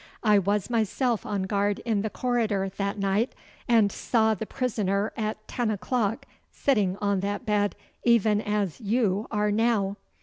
I was myself on guard in the corridor that night, and saw the prisoner at ten o'clock sitting on that bed even as you are now.